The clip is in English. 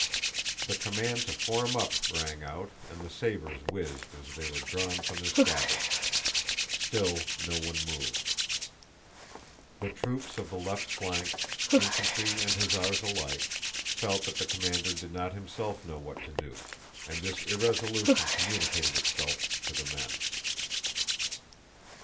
The command to form up rang out and the sabers whizzed as they were drawn from their scabbards. Still no one moved. The troops of the left flank, infantry and hussars alike, felt that the commander did not himself know what to do, and this irresolution communicated itself to the men.